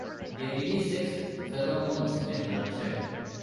They release sex pheromones when ruptured.